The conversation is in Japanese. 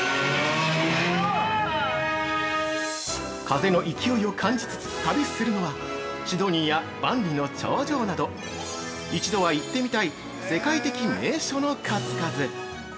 ◆風の勢いを感じつつ旅するのはシドニーや万里の長城など、一度は行ってみたい世界的名所の数々。